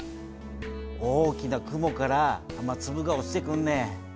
大きな雲から雨つぶが落ちてくんねん。